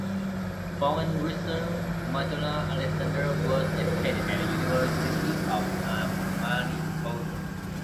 Born in Russell, Manitoba, Alexander was educated at the University of Manitoba.